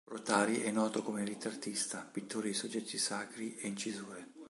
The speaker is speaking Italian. Rotari è noto come ritrattista, pittore di soggetti sacri e incisore.